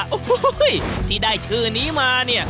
โอ้โหที่ได้ชื่อนี้มาเนี่ย